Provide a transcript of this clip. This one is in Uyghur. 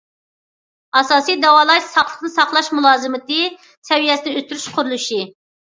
ئاساسىي داۋالاش، ساقلىقنى ساقلاش مۇلازىمىتى سەۋىيەسىنى ئۆستۈرۈش قۇرۇلۇشى.